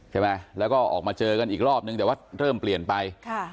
ใช่ไหมแล้วก็ออกมาเจอกันอีกรอบนึงแต่ว่าเริ่มเปลี่ยนไป